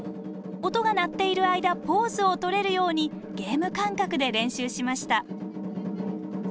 音が鳴っている間ポーズをとれるようにゲーム感覚で練習しました。